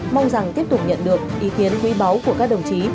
mong rằng tiếp tục nhận được ý kiến quý báu của các đồng chí